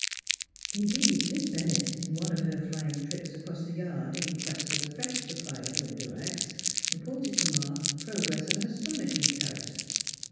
Indeed, Miss Bennett, in one of her flying trips across the yard in quest of a fresh supply of " winder rags " reported to Ma prog ress of an astonishing character.